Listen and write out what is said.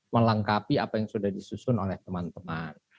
melengkapi apa yang sudah disusun oleh teman teman